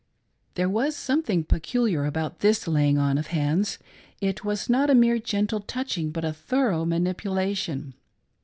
There was something peculiar about this laying on of hands. It was not a mere gentle touching, but a thorough manipulation.